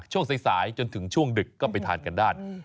ช่วงสายจนถึงช่วงดึกก็ไปทานกันได้